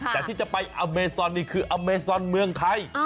แต่ที่จะไปอเมซอนนี่คืออเมซอนเมืองไทย